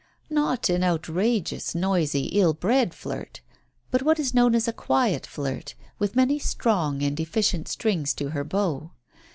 Not an outrageous, noisy, ill bred flirt, but what is known as a quiet flirt, with many strong and efficient strings to her bow.